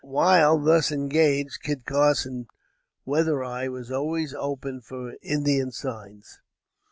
While thus engaged Kit Carson's weather eye was always open for Indian signs.